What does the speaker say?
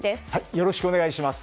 よろしくお願いします。